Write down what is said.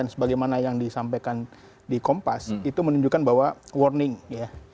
sebagaimana yang disampaikan di kompas itu menunjukkan bahwa warning ya